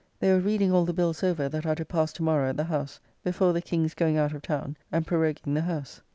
They were reading all the bills over that are to pass to morrow at the House, before the King's going out of town and proroguing the House.